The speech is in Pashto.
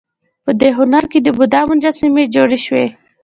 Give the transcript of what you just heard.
په دې هنر کې د بودا مجسمې جوړې شوې